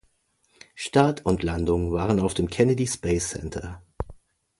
Start und landung waren auf dem Kennedy Space Center.